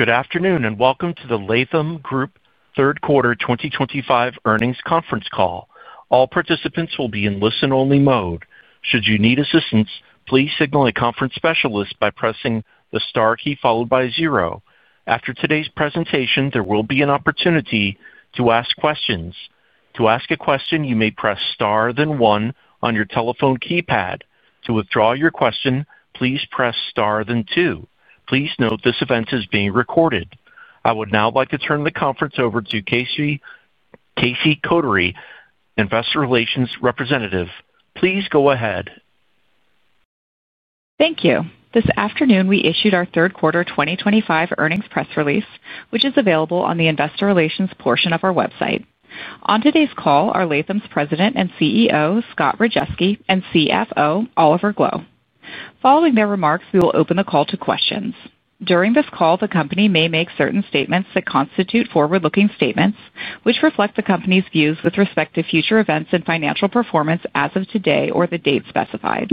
Good afternoon and welcome to the Latham Group Third Quarter 2025 Earnings Conference Call. All participants will be in listen-only mode. Should you need assistance, please signal a conference specialist by pressing the star key followed by zero. After today's presentation, there will be an opportunity to ask questions. To ask a question, you may press star then one on your telephone keypad. To withdraw your question, please press star then two. Please note this event is being recorded. I would now like to turn the conference over to Casey. Casey Kotary, Investor Relations Representative. Please go ahead. Thank you. This afternoon, we issued our Third Quarter 2025 earnings press release, which is available on the Investor Relations portion of our website. On today's call are Latham's President and CEO, Scott Rajeski, and CFO, Oliver Gloe. Following their remarks, we will open the call to questions. During this call, the company may make certain statements that constitute forward-looking statements, which reflect the company's views with respect to future events and financial performance as of today or the date specified.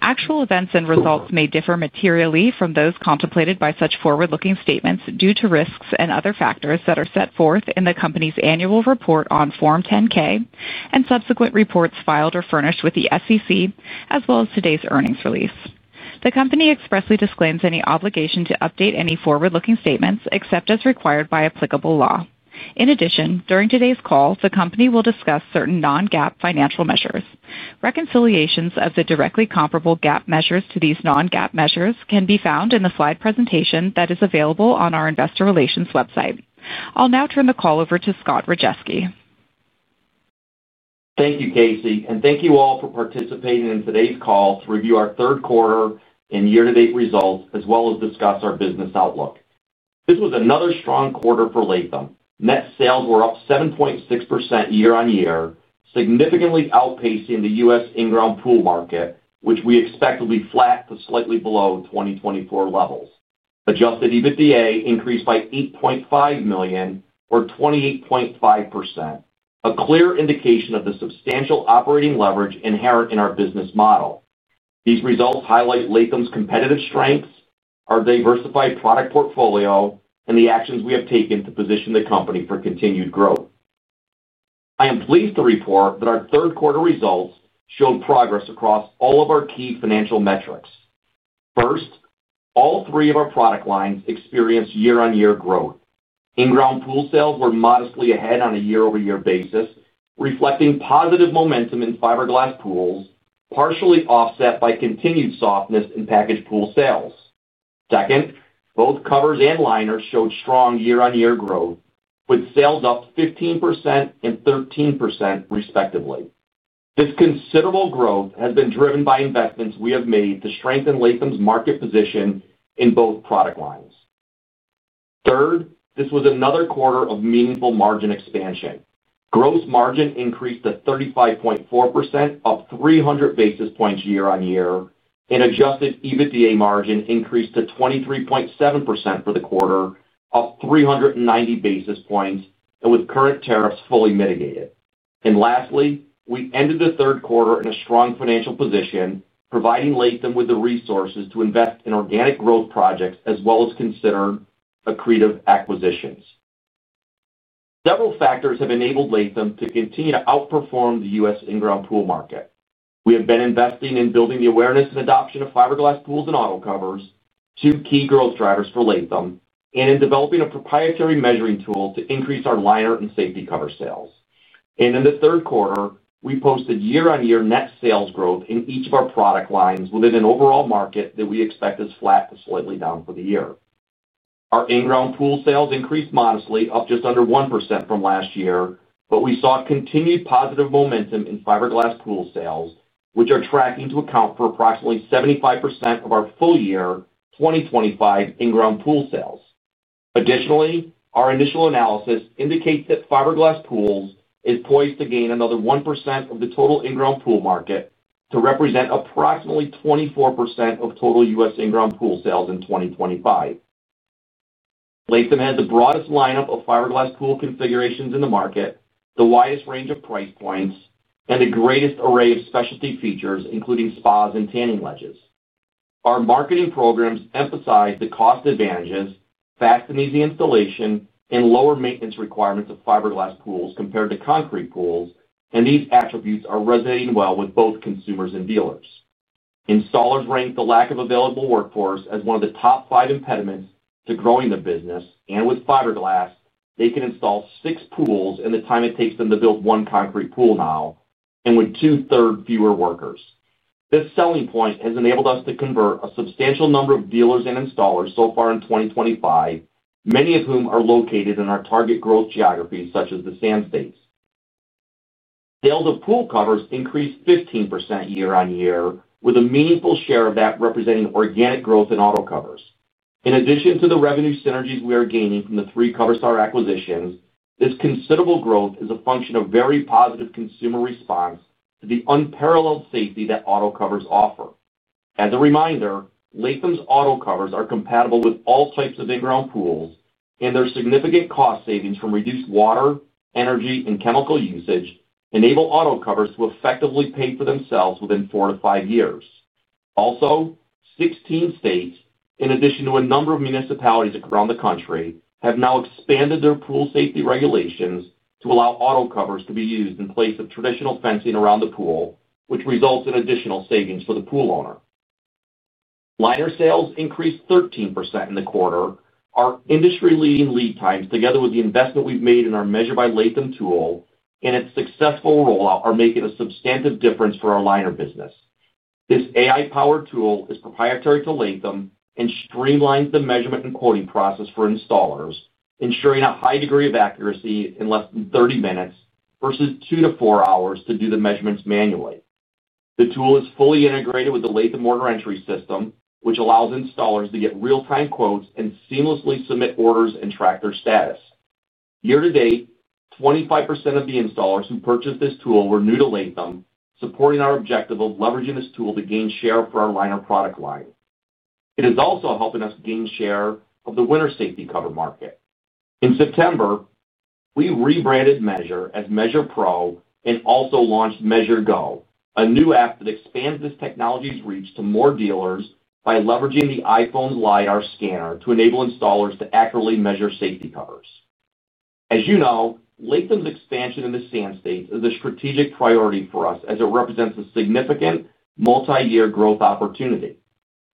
Actual events and results may differ materially from those contemplated by such forward-looking statements due to risks and other factors that are set forth in the company's annual report on Form 10-K and subsequent reports filed or furnished with the SEC, as well as today's earnings release. The company expressly disclaims any obligation to update any forward-looking statements except as required by applicable law. In addition, during today's call, the company will discuss certain non-GAAP financial measures. Reconciliations of the directly comparable GAAP measures to these non-GAAP measures can be found in the slide presentation that is available on our Investor Relations website. I'll now turn the call over to Scott Rajeski. Thank you, Casey, and thank you all for participating in today's call to review our third quarter and year-to-date results, as well as discuss our business outlook. This was another strong quarter for Latham. Net sales were up 7.6% year-on-year, significantly outpacing the U.S. in-ground pool market, which we expect to be flat to slightly below 2024 levels. Adjusted EBITDA increased by $8.5 million, or 28.5%, a clear indication of the substantial operating leverage inherent in our business model. These results highlight Latham's competitive strengths, our diversified product portfolio, and the actions we have taken to position the company for continued growth. I am pleased to report that our third quarter results showed progress across all of our key financial metrics. First, all three of our product lines experienced year-on-year growth. In-ground pool sales were modestly ahead on a year-over-year basis, reflecting positive momentum in fiberglass pools, partially offset by continued softness in package pool sales. Second, both covers and liners showed strong year-on-year growth, with sales up 15% and 13%, respectively. This considerable growth has been driven by investments we have made to strengthen Latham's market position in both product lines. Third, this was another quarter of meaningful margin expansion. Gross margin increased to 35.4%, up 300 basis points year-on-year, and Adjusted EBITDA margin increased to 23.7% for the quarter, up 390 basis points, with current tariffs fully mitigated. And lastly, we ended the third quarter in a strong financial position, providing Latham with the resources to invest in organic growth projects as well as consider accretive acquisitions. Several factors have enabled Latham to continue to outperform the U.S. in-ground pool market. We have been investing in building the awareness and adoption of fiberglass pools and auto covers, two key growth drivers for Latham, and in developing a proprietary measuring tool to increase our liner and safety cover sales. And in the third quarter, we posted year-on-year net sales growth in each of our product lines within an overall market that we expect is flat to slightly down for the year. Our in-ground pool sales increased modestly, up just under 1% from last year, but we saw continued positive momentum in fiberglass pool sales, which are tracking to account for approximately 75% of our full-year 2025 in-ground pool sales. Additionally, our initial analysis indicates that fiberglass pools is poised to gain another 1% of the total in-ground pool market to represent approximately 24% of total U.S. in-ground pool sales in 2025. Latham has the broadest lineup of fiberglass pool configurations in the market, the widest range of price points, and the greatest array of specialty features, including spas and tanning ledges. Our marketing programs emphasize the cost advantages, fast and easy installation, and lower maintenance requirements of fiberglass pools compared to concrete pools, and these attributes are resonating well with both consumers and dealers. Installers rank the lack of available workforce as one of the top five impediments to growing the business, and with fiberglass, they can install six pools in the time it takes them to build one concrete pool now, and with two-thirds fewer workers. This selling point has enabled us to convert a substantial number of dealers and installers so far in 2025, many of whom are located in our target growth geographies such as the Sand States. Sales of pool covers increased 15% year-on-year, with a meaningful share of that representing organic growth in auto covers. In addition to the revenue synergies we are gaining from the three cover-style acquisitions, this considerable growth is a function of very positive consumer response to the unparalleled safety that auto covers offer. As a reminder, Latham's auto covers are compatible with all types of in-ground pools, and their significant cost savings from reduced water, energy, and chemical usage enable auto covers to effectively pay for themselves within four to five years. Also, 16 states, in addition to a number of municipalities across the country, have now expanded their pool safety regulations to allow auto covers to be used in place of traditional fencing around the pool, which results in additional savings for the pool owner. Liner sales increased 13% in the quarter. Our industry-leading lead times, together with the investment we've made in our Measure by Latham tool and its successful rollout, are making a substantive difference for our liner business. This AI-powered tool is proprietary to Latham and streamlines the measurement and quoting process for installers, ensuring a high degree of accuracy in less than 30 minutes versus two to four hours to do the measurements manually. The tool is fully integrated with the Latham Order Entry system, which allows installers to get real-time quotes and seamlessly submit orders and track their status. Year-to-date, 25% of the installers who purchased this tool were new to Latham, supporting our objective of leveraging this tool to gain share for our liner product line. It is also helping us gain share of the winter safety cover market. In September, we rebranded Measure as Measure Pro and also launched Measure Go, a new app that expands this technology's reach to more dealers by leveraging the iPhone's LiDAR scanner to enable installers to accurately measure safety covers. As you know, Latham's expansion in the Sand States is a strategic priority for us as it represents a significant multi-year growth opportunity.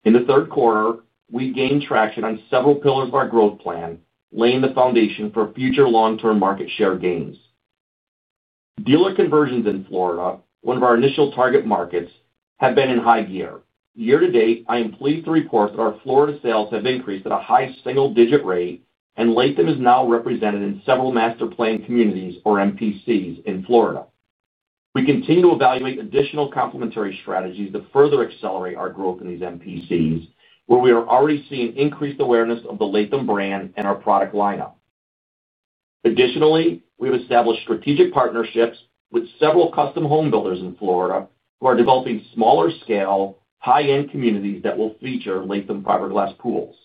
In the third quarter, we gained traction on several pillars of our growth plan, laying the foundation for future long-term market share gains. Dealer conversions in Florida, one of our initial target markets, have been in high gear. Year-to-date, I am pleased to report that our Florida sales have increased at a high single-digit rate, and Latham is now represented in several master plan communities, or MPCs, in Florida. We continue to evaluate additional complementary strategies to further accelerate our growth in these MPCs, where we are already seeing increased awareness of the Latham brand and our product lineup. Additionally, we've established strategic partnerships with several custom home builders in Florida who are developing smaller-scale, high-end communities that will feature Latham fiberglass pools.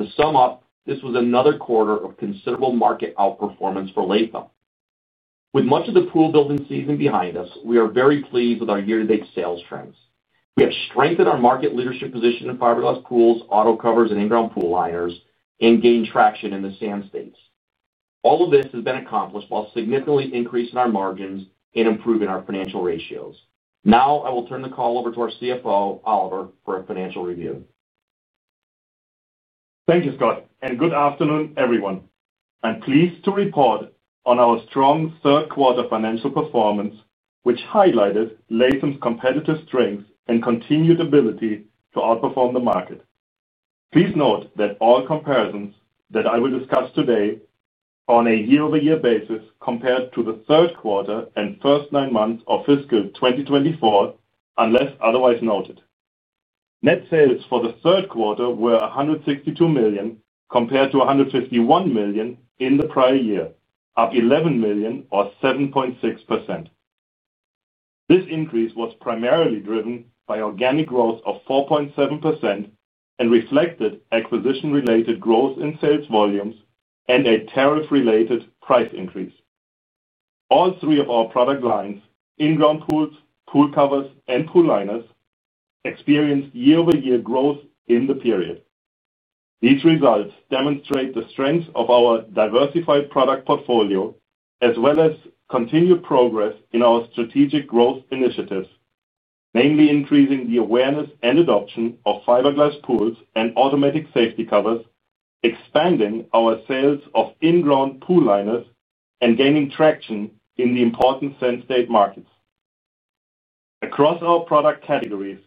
To sum up, this was another quarter of considerable market outperformance for Latham. With much of the pool building season behind us, we are very pleased with our year-to-date sales trends. We have strengthened our market leadership position in fiberglass pools, auto covers, and in-ground pool liners, and gained traction in the Sand States. All of this has been accomplished while significantly increasing our margins and improving our financial ratios. Now, I will turn the call over to our CFO, Oliver, for a financial review. Thank you, Scott, and good afternoon, everyone. I'm pleased to report on our strong third quarter financial performance, which highlighted Latham's competitive strengths and continued ability to outperform the market. Please note that all comparisons that I will discuss today are on a year-over-year basis compared to the third quarter and first nine months of fiscal 2024, unless otherwise noted. Net sales for the third quarter were $162 million compared to $151 million in the prior year, up $11 million, or 7.6%. This increase was primarily driven by organic growth of 4.7% and reflected acquisition-related growth in sales volumes and a tariff-related price increase. All three of our product lines, in-ground pools, pool covers, and pool liners, experienced year-over-year growth in the period. These results demonstrate the strength of our diversified product portfolio, as well as continued progress in our strategic growth initiatives, mainly increasing the awareness and adoption of fiberglass pools and automatic safety covers, expanding our sales of in-ground pool liners, and gaining traction in the important Sand State markets. Across our product categories,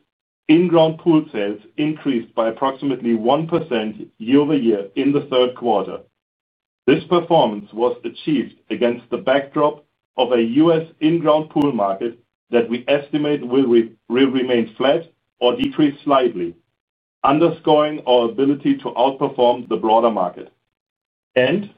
in-ground pool sales increased by approximately 1% year-over-year in the third quarter. This performance was achieved against the backdrop of a U.S. in-ground pool market that we estimate will remain flat or decrease slightly, underscoring our ability to outperform the broader market, and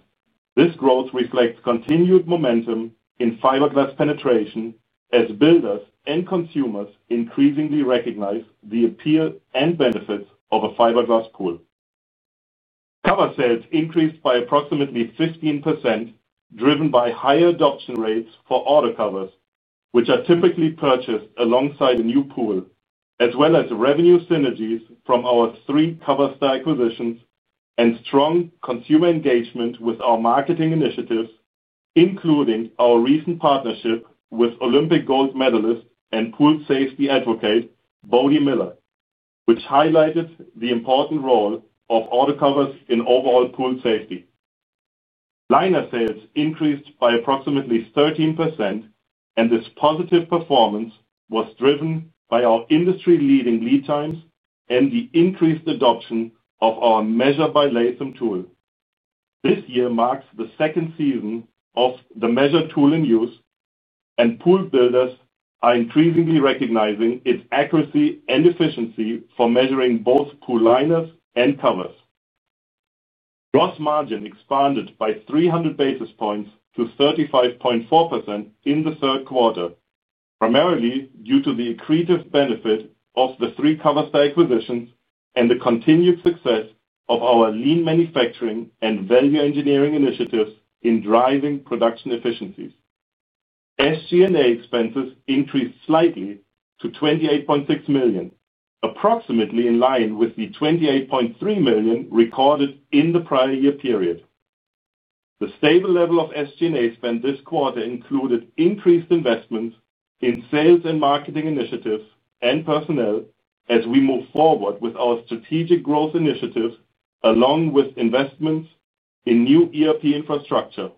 this growth reflects continued momentum in fiberglass penetration as builders and consumers increasingly recognize the appeal and benefits of a fiberglass pool. Cover sales increased by approximately 15%, driven by higher adoption rates for auto covers, which are typically purchased alongside a new pool, as well as revenue synergies from our three cover-style acquisitions and strong consumer engagement with our marketing initiatives, including our recent partnership with Olympic gold medalist and pool safety advocate Bode Miller, which highlighted the important role of auto covers in overall pool safety. Liner sales increased by approximately 13%, and this positive performance was driven by our industry-leading lead times and the increased adoption of our Measure by Latham tool. This year marks the second season of the Measure tool in use, and pool builders are increasingly recognizing its accuracy and efficiency for measuring both pool liners and covers. Gross margin expanded by 300 basis points to 35.4% in the third quarter, primarily due to the accretive benefit of the three cover-style acquisitions and the continued success of our lean manufacturing and value engineering initiatives in driving production efficiencies. SG&A expenses increased slightly to $28.6 million, approximately in line with the $28.3 million recorded in the prior year period. The stable level of SG&A spend this quarter included increased investments in sales and marketing initiatives and personnel as we move forward with our strategic growth initiatives, along with investments in new ERP infrastructure,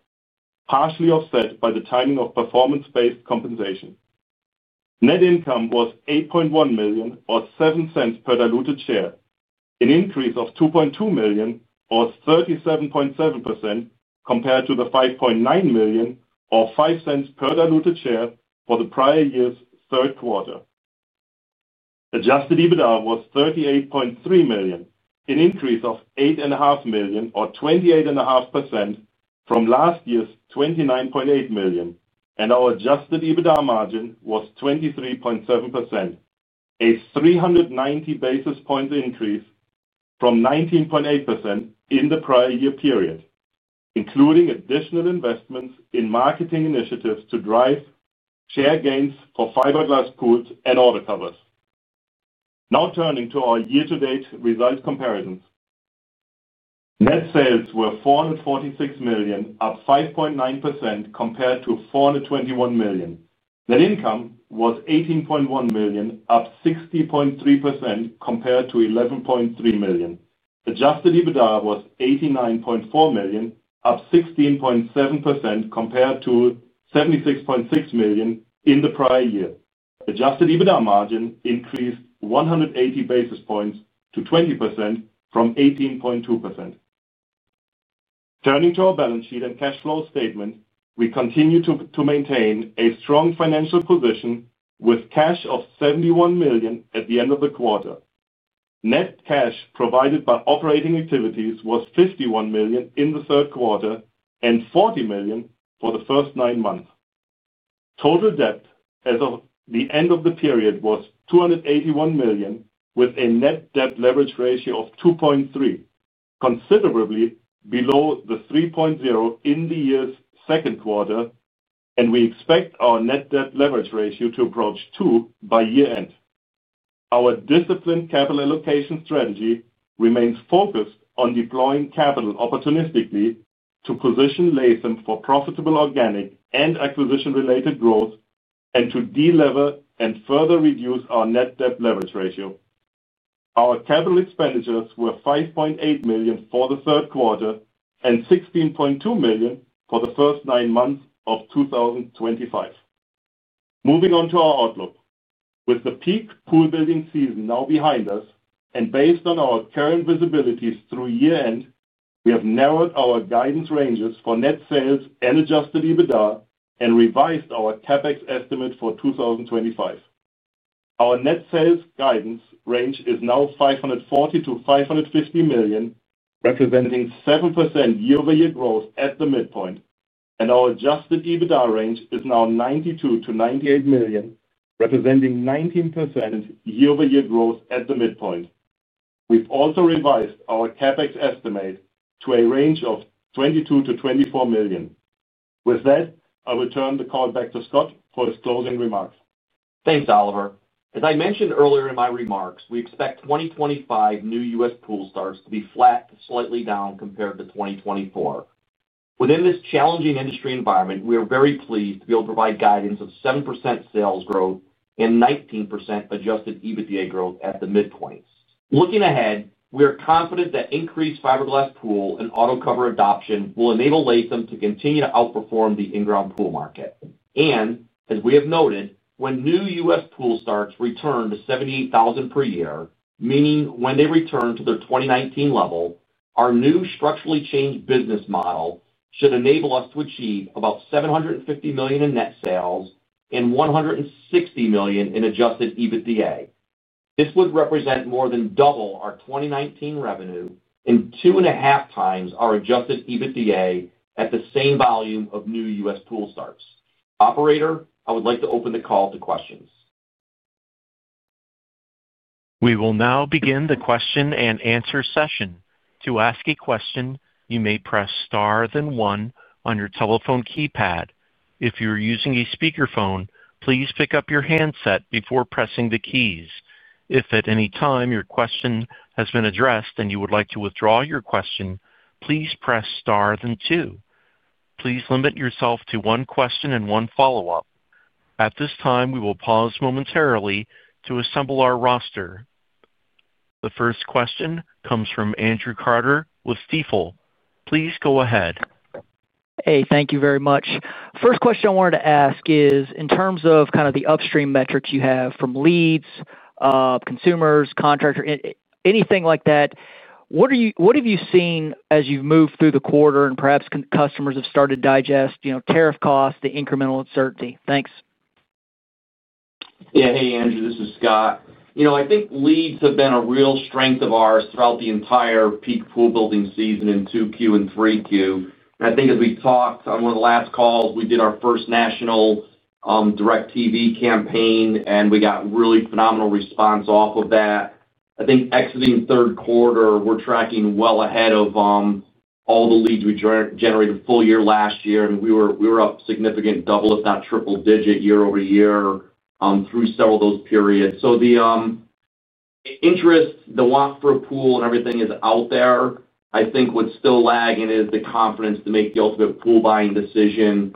partially offset by the timing of performance-based compensation. Net income was $8.1 million, or $0.07 per diluted share, an increase of $2.2 million, or 37.7%, compared to the $5.9 million, or $0.05 per diluted share, for the prior year's third quarter. Adjusted EBITDA was $38.3 million, an increase of $8.5 million, or 28.5%, from last year's $29.8 million, and our Adjusted EBITDA margin was 23.7%. A 390 basis points increase from 19.8% in the prior year period. Including additional investments in marketing initiatives to drive share gains for fiberglass pools and auto covers. Now turning to our year-to-date results comparisons. Net sales were $446 million, up 5.9%, compared to $421 million. Net income was $18.1 million, up 60.3%, compared to $11.3 million. Adjusted EBITDA was $89.4 million, up 16.7%, compared to $76.6 million in the prior year. Adjusted EBITDA margin increased 180 basis points to 20% from 18.2%. Turning to our balance sheet and cash flow statement, we continue to maintain a strong financial position with cash of $71 million at the end of the quarter. Net cash provided by operating activities was $51 million in the third quarter and $40 million for the first nine months. Total debt as of the end of the period was $281 million, with a net debt leverage ratio of 2.3. Considerably below the 3.0 in the year's second quarter, and we expect our net debt leverage ratio to approach two by year-end. Our disciplined capital allocation strategy remains focused on deploying capital opportunistically to position Latham for profitable organic and acquisition-related growth and to delever and further reduce our net debt leverage ratio. Our capital expenditures were $5.8 million for the third quarter and $16.2 million for the first nine months of 2025. Moving on to our outlook. With the peak pool building season now behind us and based on our current visibility through year-end, we have narrowed our guidance ranges for net sales and Adjusted EBITDA and revised our CapEx estimate for 2025. Our net sales guidance range is now $540 million-$550 million, representing 7% year-over-year growth at the midpoint, and our adjusted EBITDA range is now $92 million-$98 million, representing 19% year-over-year growth at the midpoint. We've also revised our CapEx estimate to a range of $22 million-$24 million. With that, I will turn the call back to Scott for his closing remarks. Thanks, Oliver. As I mentioned earlier in my remarks, we expect 2025 new U.S. pool stocks to be flat to slightly down compared to 2024. Within this challenging industry environment, we are very pleased to be able to provide guidance of 7% sales growth and 19% adjusted EBITDA growth at the midpoint. Looking ahead, we are confident that increased fiberglass pool and auto cover adoption will enable Latham to continue to outperform the in-ground pool market. And as we have noted, when new U.S. pool stocks return to 78,000 per year, meaning when they return to their 2019 level, our new structurally changed business model should enable us to achieve about $750 million in net sales and $160 million in adjusted EBITDA. This would represent more than double our 2019 revenue and two and a half times our adjusted EBITDA at the same volume of new U.S. pool stocks. Operator, I would like to open the call to questions. We will now begin the question and answer session. To ask a question, you may press star then one on your telephone keypad. If you are using a speakerphone, please pick up your handset before pressing the keys. If at any time your question has been addressed and you would like to withdraw your question, please press star then two. Please limit yourself to one question and one follow-up. At this time, we will pause momentarily to assemble our roster. The first question comes from Andrew Carter with Stifel. Please go ahead. Hey, thank you very much. First question I wanted to ask is, in terms of kind of the upstream metrics you have from leads, consumers, contractor, anything like that, what have you seen as you've moved through the quarter and perhaps customers have started to digest tariff costs, the incremental uncertainty? Thanks. Yeah, hey, Andrew. This is Scott. I think leads have been a real strength of ours throughout the entire peak pool building season in 2Q and 3Q. I think as we talked on one of the last calls, we did our first national DIRECTV campaign, and we got really phenomenal response off of that. I think exiting third quarter, we're tracking well ahead of all the leads we generated full year last year, and we were up significantly, double if not triple-digit year-over-year through several of those periods. So the interest, the want for a pool, and everything is out there. I think what's still lagging is the confidence to make the ultimate pool buying decision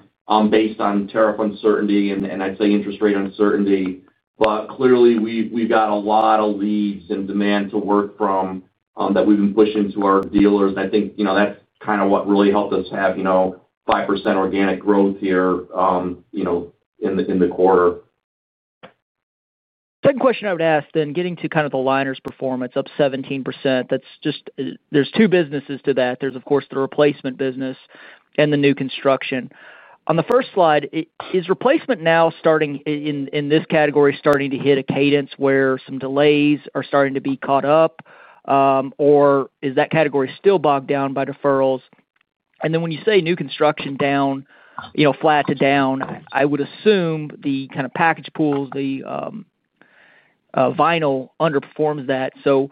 based on tariff uncertainty and I'd say interest rate uncertainty. But clearly, we've got a lot of leads and demand to work from that we've been pushing to our dealers, and I think that's kind of what really helped us have 5% organic growth here in the quarter. Second question I would ask then, getting to kind of the liners' performance, up 17%, there's two businesses to that. There's, of course, the replacement business and the new construction. On the first slide, is replacement now starting in this category starting to hit a cadence where some delays are starting to be caught up? Or is that category still bogged down by deferrals? And then when you say new construction down, flat to down, I would assume the kind of package pools, the vinyl underperforms that. So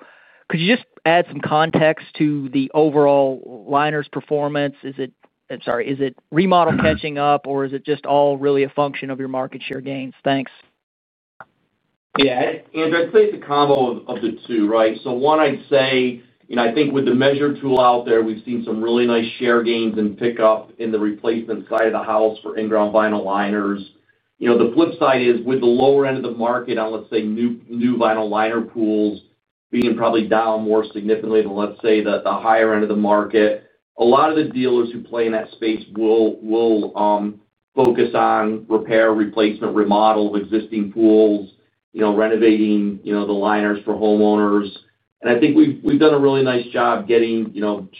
could you just add some context to the overall liners' performance? I'm sorry, is it remodel catching up, or is it just all really a function of your market share gains? Thanks. Yeah, Andrew. I'd say it's a combo of the two, right? So one, I'd say, I think with the measure tool out there, we've seen some really nice share gains and pickup in the replacement side of the house for in-ground vinyl liners. The flip side is with the lower end of the market on, let's say, new vinyl liner pools being probably down more significantly than, let's say, the higher end of the market, a lot of the dealers who play in that space will focus on repair, replacement, remodel of existing pools, renovating the liners for homeowners. And I think we've done a really nice job getting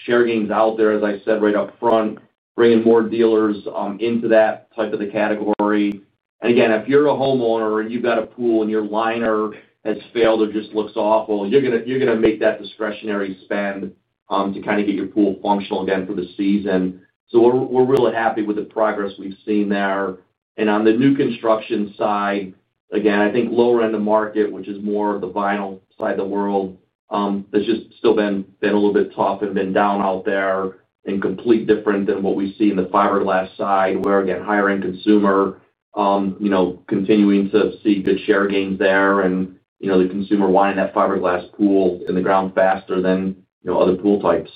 share gains out there, as I said, right up front, bringing more dealers into that type of the category. And again, if you're a homeowner and you've got a pool and your liner has failed or just looks awful, you're going to make that discretionary spend to kind of get your pool functional again for the season. So we're really happy with the progress we've seen there. And on the new construction side, again, I think lower end of the market, which is more of the vinyl side of the world has just still been a little bit tough and been down out there and completely different than what we see in the fiberglass side, where again, higher-end consumer continuing to see good share gains there and the consumer wanting that fiberglass pool in the ground faster than other pool types.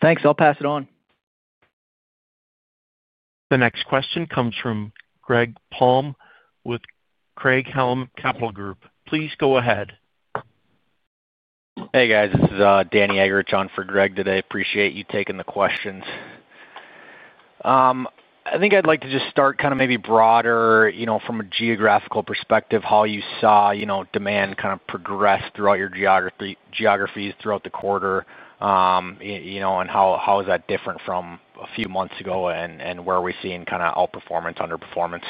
Thanks. I'll pass it on. The next question comes from Greg Palm with Craig-Hallum Capital Group. Please go ahead. Hey, guys. This is Danny Eggerich on for Greg today. Appreciate you taking the questions. I think I'd like to just start kind of maybe broader from a geographical perspective, how you saw demand kind of progress throughout your geographies throughout the quarter, and how is that different from a few months ago and where are we seeing kind of outperformance, underperformance?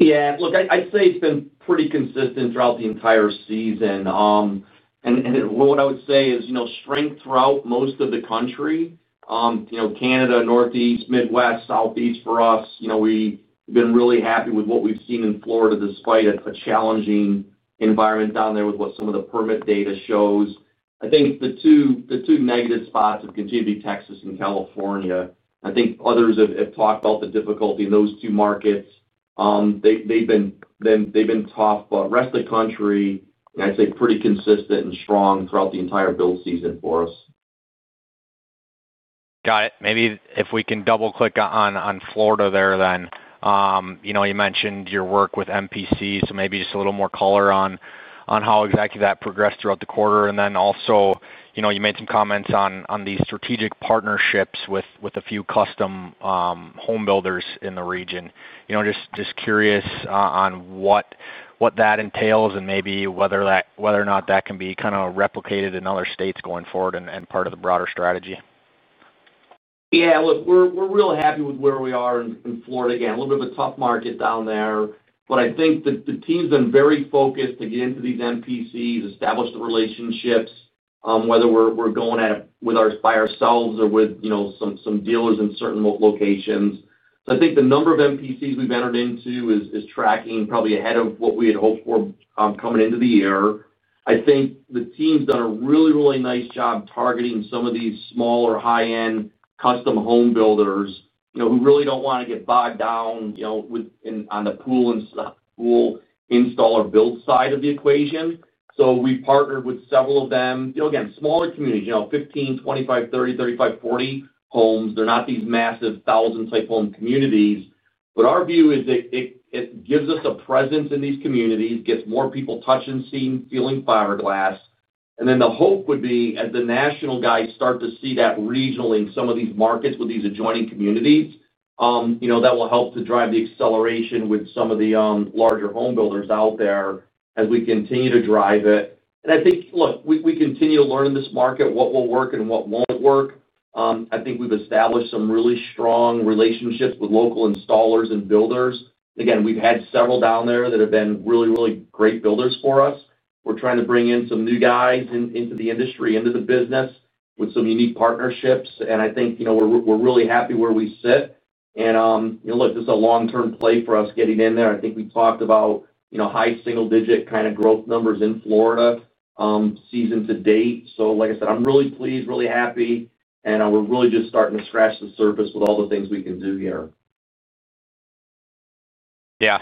Yeah. Look, I'd say it's been pretty consistent throughout the entire season. And what I would say is strength throughout most of the country, Canada, Northeast, Midwest, Southeast for us. We've been really happy with what we've seen in Florida despite a challenging environment down there with what some of the permit data shows. I think the two negative spots have continued to be Texas and California. I think others have talked about the difficulty in those two markets. They've been tough, but the rest of the country, I'd say, pretty consistent and strong throughout the entire build season for us. Got it. Maybe if we can double-click on Florida there then. You mentioned your work with MPC, so maybe just a little more color on how exactly that progressed throughout the quarter. And then also, you made some comments on these strategic partnerships with a few custom home builders in the region. Just curious on what that entails and maybe whether or not that can be kind of replicated in other states going forward and part of the broader strategy. Yeah. Look, we're real happy with where we are in Florida. Again, a little bit of a tough market down there. But I think the team's been very focused to get into these MPCs, establish the relationships, whether we're going at it by ourselves or with some dealers in certain locations. So I think the number of MPCs we've entered into is tracking probably ahead of what we had hoped for coming into the year. I think the team's done a really, really nice job targeting some of these smaller high-end custom home builders who really don't want to get bogged down on the pool install or build side of the equation. So we partnered with several of them. Again, smaller communities, 15, 25, 30, 35, 40 homes. They're not these massive thousand-type home communities. But our view is that it gives us a presence in these communities, gets more people touching, seeing, feeling fiberglass. And then the hope would be as the national guys start to see that regionally in some of these markets with these adjoining communities, that will help to drive the acceleration with some of the larger home builders out there as we continue to drive it. And I think, look, we continue to learn in this market what will work and what won't work. I think we've established some really strong relationships with local installers and builders. Again, we've had several down there that have been really, really great builders for us. We're trying to bring in some new guys into the industry, into the business with some unique partnerships. And I think we're really happy where we sit. And look, this is a long-term play for us getting in there. I think we talked about high single-digit kind of growth numbers in Florida season to date. So like I said, I'm really pleased, really happy. And we're really just starting to scratch the surface with all the things we can do here. Yeah.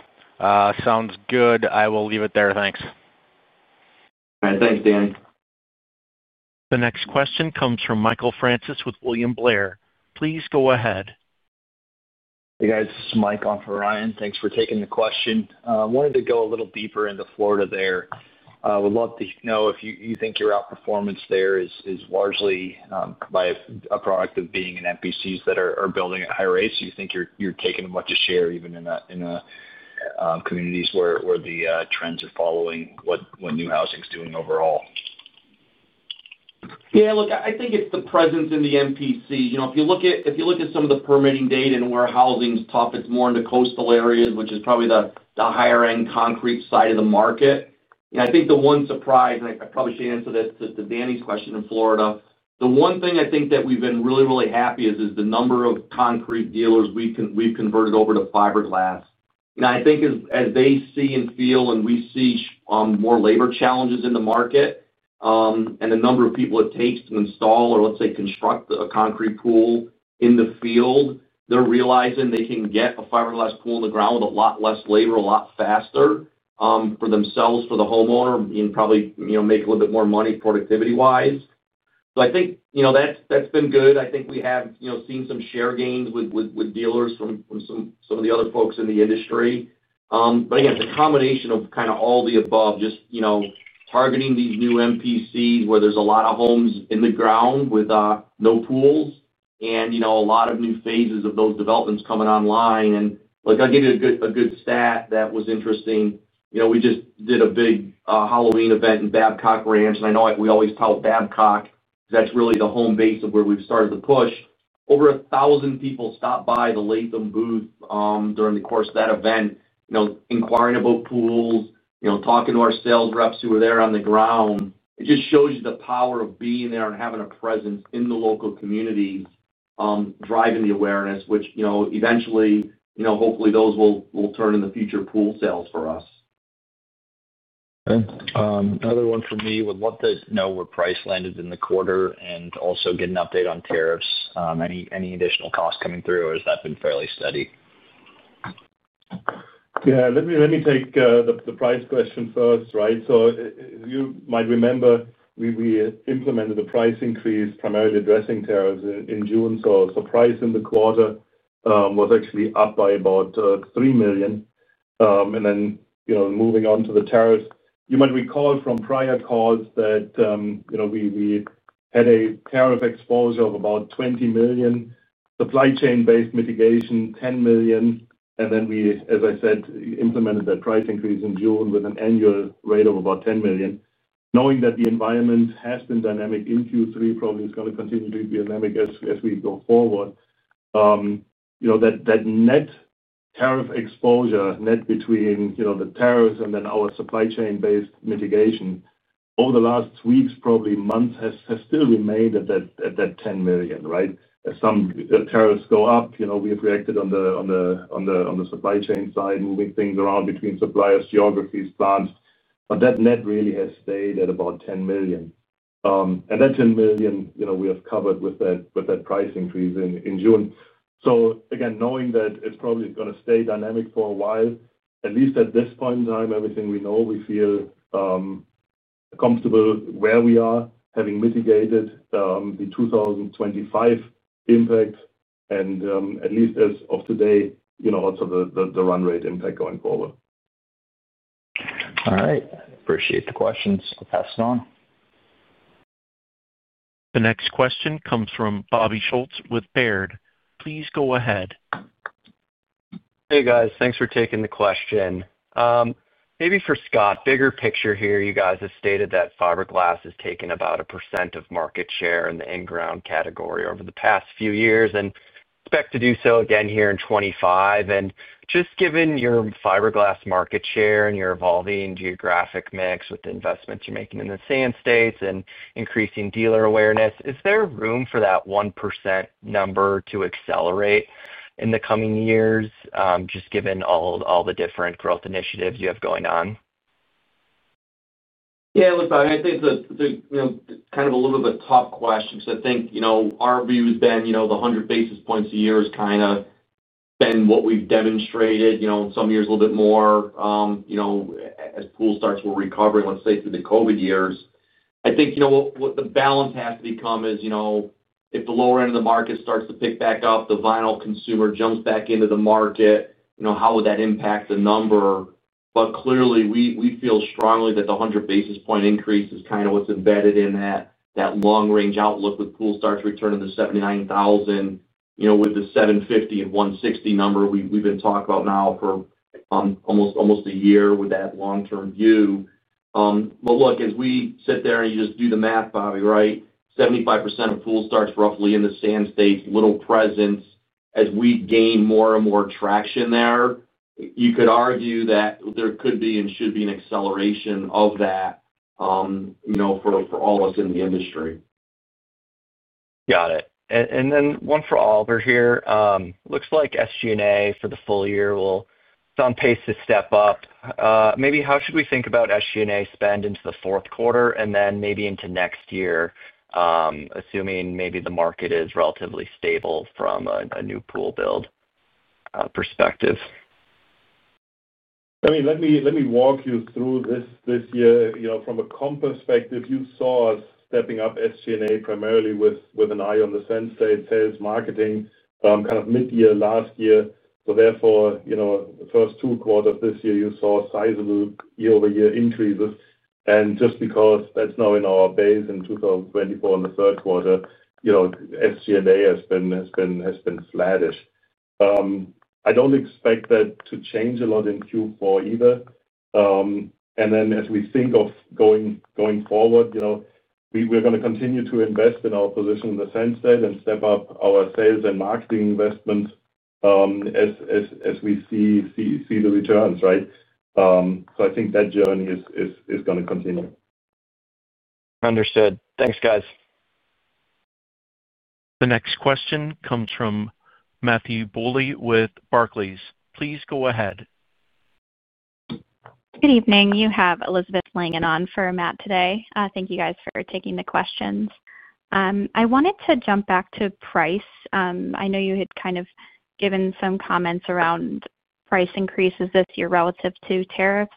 Sounds good. I will leave it there. Thanks. All right. Thanks, Danny. The next question comes from Michael Francis with William Blair. Please go ahead. Hey, guys. This is Mike on for Ryan. Thanks for taking the question. I wanted to go a little deeper into Florida there. I would love to know if you think your outperformance there is largely a product of being in MPCs that are building at high rates, you think you're taking much a share even in communities where the trends are following what new housing's doing overall? Yeah. Look, I think it's the presence in the MPC. If you look at some of the permitting data and where housing's tough, it's more in the coastal areas, which is probably the higher-end concrete side of the market. And I think the one surprise, and I probably should answer this to Danny's question in Florida, the one thing I think that we've been really, really happy is the number of concrete dealers we've converted over to fiberglass. And I think as they see and feel and we see more labor challenges in the market. And the number of people it takes to install or, let's say, construct a concrete pool in the field, they're realizing they can get a fiberglass pool in the ground with a lot less labor a lot faster for themselves, for the homeowner, and probably make a little bit more money productivity-wise. So I think that's been good. I think we have seen some share gains with dealers from some of the other folks in the industry. But again, it's a combination of kind of all the above, just targeting these new MPCs where there's a lot of homes in the ground with no pools and a lot of new phases of those developments coming online. And look, I'll give you a good stat that was interesting. We just did a big Halloween event in Babcock Ranch, and I know we always tout Babcock because that's really the home base of where we've started the push. Over a thousand people stopped by the Latham booth during the course of that event, inquiring about pools, talking to our sales reps who were there on the ground. It just shows you the power of being there and having a presence in the local communities. Driving the awareness, which eventually, hopefully, those will turn in the future pool sales for us. Okay. Another one for me. Would love to know where price landed in the quarter and also get an update on tariffs. Any additional costs coming through, or has that been fairly steady? Yeah. Let me take the price question first, right? So you might remember. We implemented the price increase primarily addressing tariffs in June. So the price in the quarter was actually up by about $3 million. And then moving on to the tariffs, you might recall from prior calls that. We had a tariff exposure of about $20 million, supply chain-based mitigation, $10 million. And then we, as I said, implemented that price increase in June with an annual rate of about $10 million. Knowing that the environment has been dynamic in Q3, probably is going to continue to be dynamic as we go forward. That net tariff exposure, net between the tariffs and then our supply chain-based mitigation, over the last weeks, probably months, has still remained at that $10 million, right? As some tariffs go up, we have reacted on the. Supply chain side, moving things around between suppliers, geographies, plants. But that net really has stayed at about $10 million. And that $10 million, we have covered with that price increase in June. So again, knowing that it's probably going to stay dynamic for a while, at least at this point in time, everything we know, we feel. Comfortable where we are, having mitigated the 2025 impact, and at least as of today, also the run rate impact going forward. All right. Appreciate the questions. I'll pass it on. The next question comes from Bobby Schultz with Baird. Please go ahead. Hey, guys. Thanks for taking the question. Maybe for Scott, bigger picture here, you guys have stated that fiberglass has taken about 1% of market share in the in-ground category over the past few years and expect to do so again here in 2025. And just given your fiberglass market share and your evolving geographic mix with the investments you're making in the Sand States and increasing dealer awareness, is there room for that 1% number to accelerate in the coming years, just given all the different growth initiatives you have going on? Yeah. Look, I think it's kind of a little bit of a tough question because I think our view has been the 100 basis points a year has kind of been what we've demonstrated. In some years, a little bit more. As pool starts were recovering, let's say, through the COVID years. I think what the balance has to become is if the lower end of the market starts to pick back up, the vinyl consumer jumps back into the market, how would that impact the number? But clearly, we feel strongly that the 100 basis point increase is kind of what's embedded in that long-range outlook with pool starts returning to 79,000 with the 750 and 160 number we've been talking about now for almost a year with that long-term view. But look, as we sit there and you just do the math, Bobby, right? 75% of pool starts roughly in the Sand States, little presence. As we gain more and more traction there, you could argue that there could be and should be an acceleration of that. For all of us in the industry. Got it. And then one for Oliver here. Looks like SG&A for the full year will. It's on pace to step up. Maybe how should we think about SG&A spend into the fourth quarter and then maybe into next year, assuming maybe the market is relatively stable from a new pool build perspective? I mean, let me walk you through this year. From a comp perspective, you saw us stepping up SG&A primarily with an eye on the Sand States sales marketing kind of mid-year last year. So therefore, the first two quarters this year, you saw sizable year-over-year increases, and just because that's now in our base in 2024 in the third quarter, SG&A has been flatish. I don't expect that to change a lot in Q4 either, and then as we think of going forward, we're going to continue to invest in our position in the Sand States and step up our sales and marketing investments as we see the returns, right, so I think that journey is going to continue. Understood. Thanks, guys. The next question comes from Matthew Bouley with Barclays. Please go ahead. Good evening. You have Elizabeth Langen on for Matt today. Thank you, guys, for taking the questions. I wanted to jump back to price. I know you had kind of given some comments around price increases this year relative to tariffs.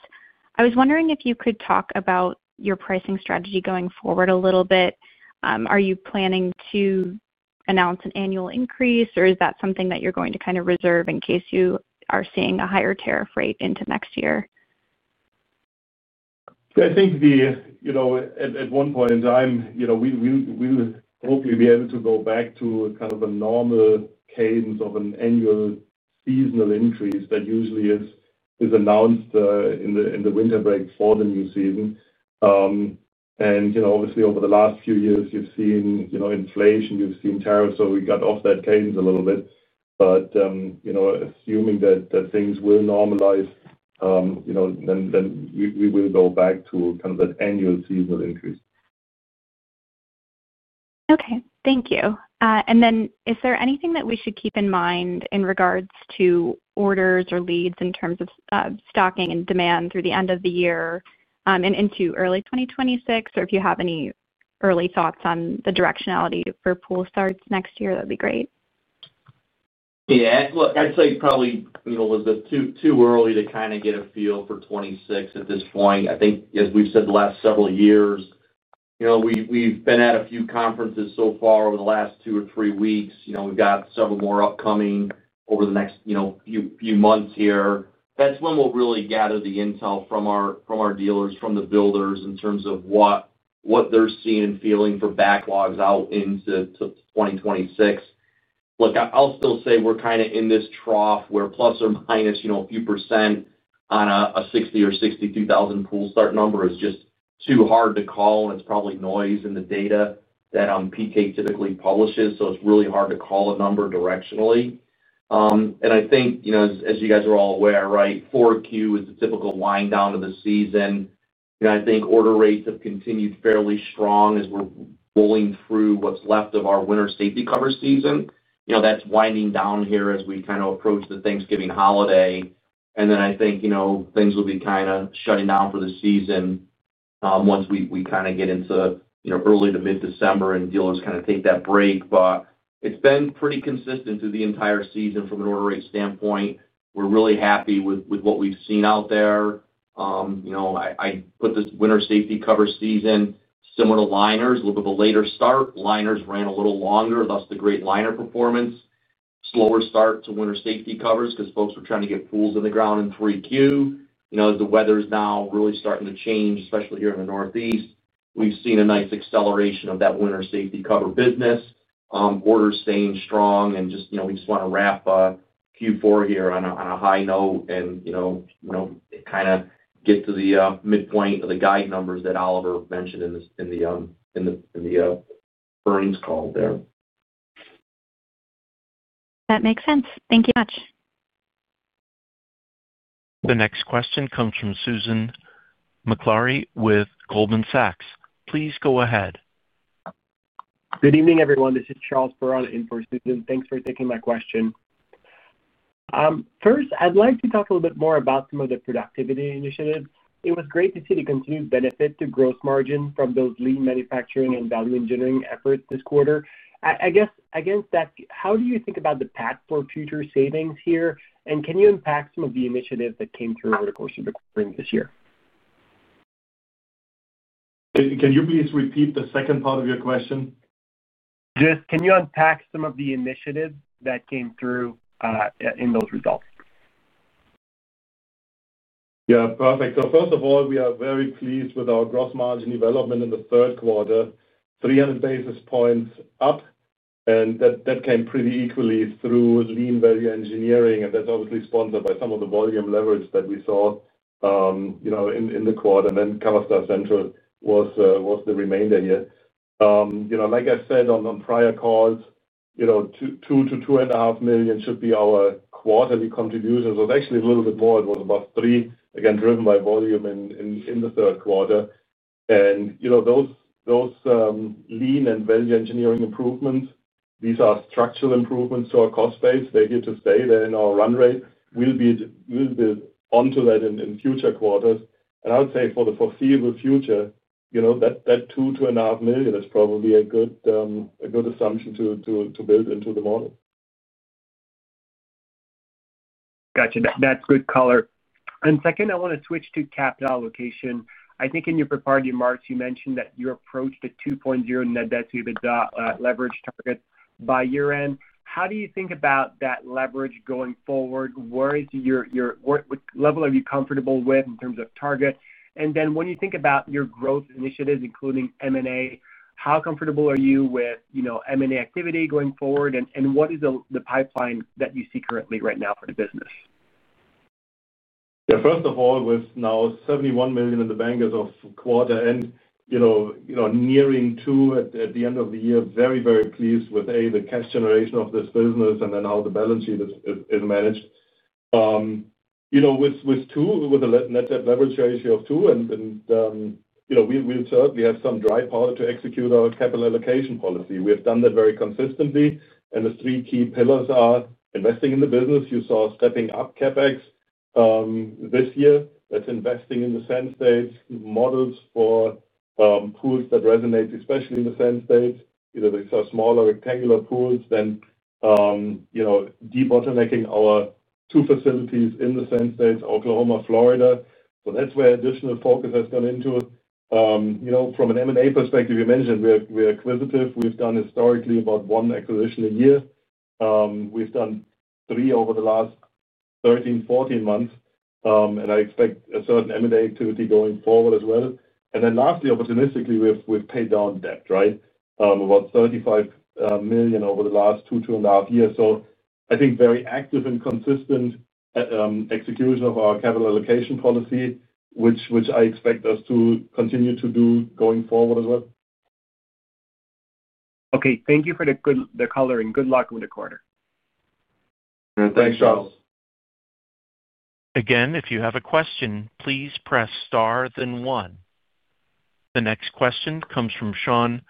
I was wondering if you could talk about your pricing strategy going forward a little bit. Are you planning to announce an annual increase, or is that something that you're going to kind of reserve in case you are seeing a higher tariff rate into next year? So, I think at one point in time we will hopefully be able to go back to kind of a normal cadence of an annual seasonal increase that usually is announced in the winter break for the new season. And obviously, over the last few years, you've seen inflation, you've seen tariffs. So we got off that cadence a little bit. But assuming that things will normalize, then we will go back to kind of that annual seasonal increase. Okay. Thank you. And then is there anything that we should keep in mind in regards to orders or leads in terms of stocking and demand through the end of the year and into early 2026? Or if you have any early thoughts on the directionality for pool starts next year, that'd be great. Yeah. Look, I'd say probably was it too early to kind of get a feel for 2026 at this point? I think, as we've said the last several years. We've been at a few conferences so far over the last two or three weeks. We've got several more upcoming over the next few months here. That's when we'll really gather the intel from our dealers, from the builders, in terms of what they're seeing and feeling for backlogs out into 2026. Look, I'll still say we're kind of in this trough where plus or minus a few percent on a 60,000 or 62,000 pool start number is just too hard to call. And it's probably noise in the data that PK typically publishes. So it's really hard to call a number directionally. And I think, as you guys are all aware, right, Q4 is the typical wind down of the season. I think order rates have continued fairly strong as we're rolling through what's left of our winter safety cover season. That's winding down here as we kind of approach the Thanksgiving holiday. And then I think things will be kind of shutting down for the season once we kind of get into early to mid-December and dealers kind of take that break. But it's been pretty consistent through the entire season from an order rate standpoint. We're really happy with what we've seen out there. I put this winter safety cover season, similar to liners, a little bit of a later start. Liners ran a little longer, thus the great liner performance. Slower start to winter safety covers because folks were trying to get pools in the ground in Q3. As the weather is now really starting to change, especially here in the Northeast, we've seen a nice acceleration of that winter safety cover business. Orders staying strong. And we just want to wrap Q4 here on a high note and kind of get to the midpoint of the guide numbers that Oliver mentioned in the earnings call there. That makes sense. Thank you much. The next question comes from Susan Maklari with Goldman Sachs. Please go ahead. Good evening, everyone. This is Charles Perrone in for Susan. Thanks for taking my question. First, I'd like to talk a little bit more about some of the productivity initiatives. It was great to see the continued benefit to gross margin from those lean manufacturing and value engineering efforts this quarter. I guess, against that, how do you think about the path for future savings here? And can you unpack some of the initiatives that came through over the course of the quarter this year? Can you please repeat the second part of your question? Just, can you unpack some of the initiatives that came through in those results? Yeah. Perfect. So first of all, we are very pleased with our gross margin development in the third quarter, 300 basis points up. And that came pretty equally through lean value engineering. And that's obviously sponsored by some of the volume leverage that we saw in the quarter. And then Coverstar Central was the remainder here. Like I said on prior calls, $2 million-$2.5 million should be our quarterly contributions. It was actually a little bit more. It was about $3 million, again, driven by volume in the third quarter. And those lean and value engineering improvements, these are structural improvements to our cost base. They're here to stay. They're in our run rate. We'll build onto that in future quarters. And I would say for the foreseeable future that $2 million-$2.5 million is probably a good assumption to build into the model. Gotcha. That's good color, and second, I want to switch to capital allocation. I think in your prepared remarks, you mentioned that you approached the 2.0 net debt to EBITDA leverage target by year-end. How do you think about that leverage going forward? What level are you comfortable with in terms of target, and then when you think about your growth initiatives, including M&A, how comfortable are you with M&A activity going forward, and what is the pipeline that you see currently right now for the business? Yeah. First of all, with now $71 million in the bank as of quarter end. Nearing two at the end of the year, very, very pleased with, A, the cash generation of this business and then how the balance sheet is managed. With two, with a net debt leverage ratio of two, and. We'll certainly have some dry powder to execute our capital allocation policy. We have done that very consistently. The three key pillars are investing in the business. You saw stepping up CapEx this year. That's investing in the Sand States, models for pools that resonate, especially in the Sand States. These are smaller rectangular pools than. Debottlenecking our two facilities in the Sand States, Oklahoma, Florida. So that's where additional focus has gone into. From an M&A perspective, you mentioned we're acquisitive. We've done historically about one acquisition a year. We've done three over the last 13, 14 months. I expect a certain M&A activity going forward as well. Then lastly, opportunistically, we've paid down debt, right? About $35 million over the last two, two and a half years. So I think very active and consistent execution of our capital allocation policy, which I expect us to continue to do going forward as well. Okay. Thank you for the color and good luck with the quarter. Thanks, Charles. Again, if you have a question, please press star then one. The next question comes from Sean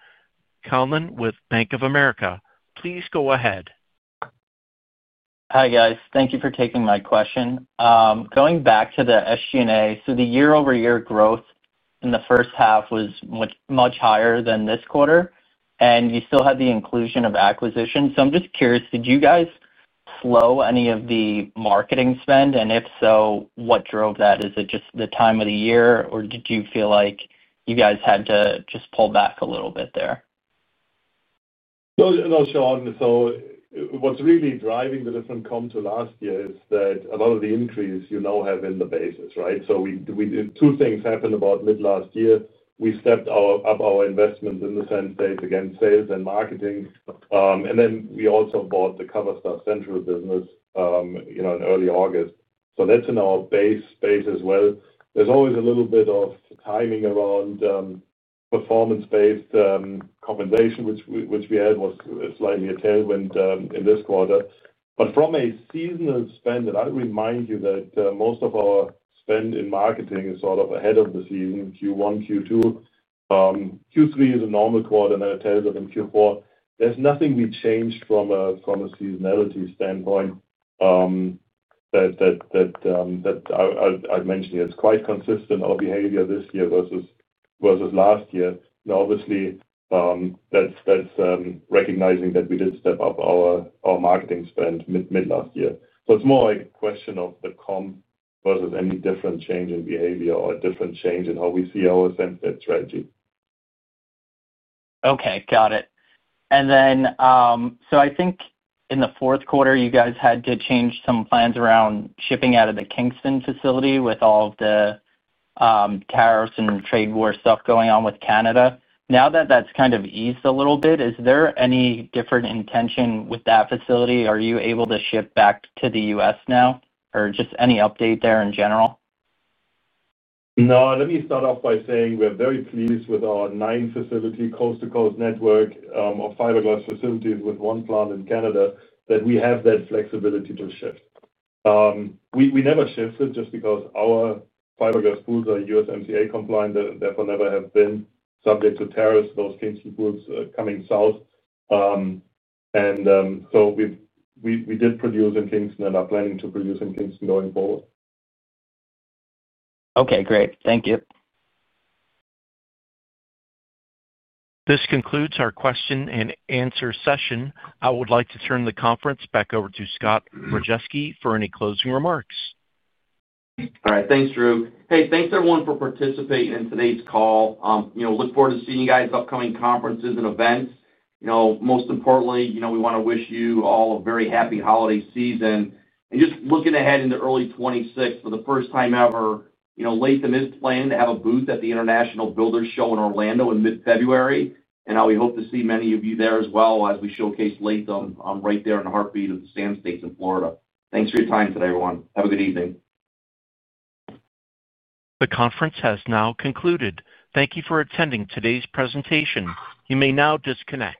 Callan with Bank of America. Please go ahead. Hi, guys. Thank you for taking my question. Going back to the SG&A, so the year-over-year growth in the first half was much higher than this quarter, and you still had the inclusion of acquisition, so I'm just curious: did you guys slow any of the marketing spend, and if so, what drove that? Is it just the time of the year, or did you feel like you guys had to just pull back a little bit there? No, Sean. So what's really driving the different comps last year is that a lot of the increase you now have in the base, right? So, two things happened about mid-last year. We stepped up our investments in the Sand States in sales and marketing. And then we also bought the Coverstar Central business in early August. So that's in our base case as well. There's always a little bit of timing around performance-based compensation, which we had, was slightly a tailwind in this quarter. But from a seasonal spend, and I'll remind you that most of our spend in marketing is sort of ahead of the season, Q1, Q2. Q3 is a normal quarter, and then it tails up in Q4. There's nothing we changed from a seasonality standpoint. That I'd mention here. It's quite consistent behavior this year versus last year. And obviously that's recognizing that we did step up our marketing spend mid-last year. So it's more a question of the comp versus any different change in behavior or a different change in how we see our Sand States strategy. Okay. Got it. And then. So I think in the fourth quarter, you guys had to change some plans around shipping out of the Kingston facility with all of the tariffs and trade war stuff going on with Canada. Now that that's kind of eased a little bit, is there any different intention with that facility? Are you able to ship back to the U.S. now? Or just any update there in general? No. Let me start off by saying we're very pleased with our nine-facility coast-to-coast network of fiberglass facilities with one plant in Canada, that we have that flexibility to shift. We never shifted just because our fiberglass pools are USMCA compliant, therefore never have been subject to tariffs, those Kingston pools coming south. And so we did produce in Kingston and are planning to produce in Kingston going forward. Okay. Great. Thank you. This concludes our question and answer session. I would like to turn the conference back over to Scott Rajeski for any closing remarks. All right. Thanks, Drew. Hey, thanks everyone for participating in today's call. Look forward to seeing you guys at upcoming conferences and events. Most importantly, we want to wish you all a very happy holiday season, and just looking ahead into early 2026, for the first time ever, Latham is planning to have a booth at the International Builders Show in Orlando in mid-February, and we hope to see many of you there as well as we showcase Latham right there in the heartbeat of the Sand States in Florida. Thanks for your time today, everyone. Have a good evening. The conference has now concluded. Thank you for attending today's presentation. You may now disconnect.